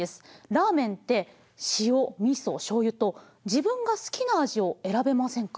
ラーメンって塩みそしょうゆと自分が好きな味を選べませんか？